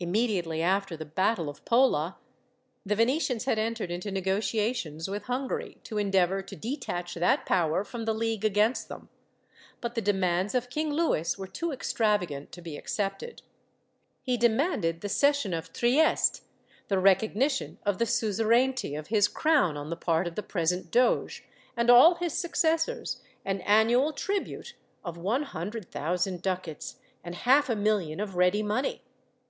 Immediately after the battle of Pola, the Venetians had entered into negotiations with Hungary, to endeavour to detach that power from the league against them. But the demands of King Louis were too extravagant to be accepted. He demanded the cession of Trieste, the recognition of the suzerainty of his crown on the part of the present doge, and all his successors, an annual tribute of one hundred thousand ducats, and half a million of ready money.